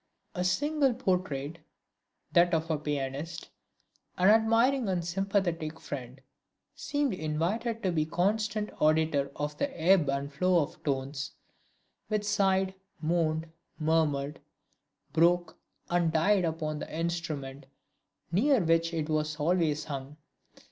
A single portrait, that of a pianist, an admiring and sympathetic friend, seemed invited to be the constant auditor of the ebb and flow of tones, which sighed, moaned, murmured, broke and died upon the instrument near which it always hung.